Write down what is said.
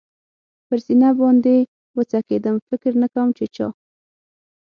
پر سینه باندې و څکېدم، فکر نه کوم چې چا.